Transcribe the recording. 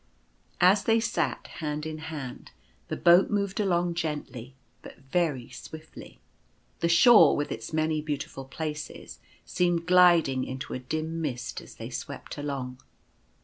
As they sat hand in hand, the boat moved along gently, but very swiftly. The shore, with its many beautiful places, seemed gliding into a dim mist as they swept along.